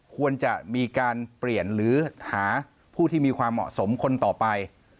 ควรจะมีการเปลี่ยนหรือหาผู้ที่มีความเหมาะสมคนต่อไป